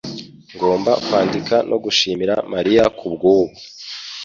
Ngomba kwandika no gushimira Mariya kubwubu